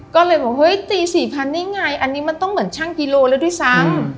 ก็เลยบอกเฮ้ยตี๔๐๐นี่ไงอันนี้มันต้องเหมือนช่างกิโลแล้วด้วยซ้ำ